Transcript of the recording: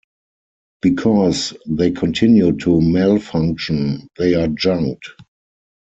Because they continue to malfunction they are junked.